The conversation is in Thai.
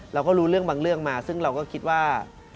เราก็รู้เรื่องบางเรื่องมาซึ่งเราก็คิดว่า